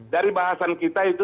dari bahasan kita itu